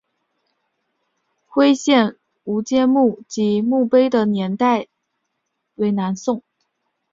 徽县吴玠墓及墓碑的历史年代为南宋。